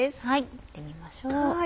見てみましょう。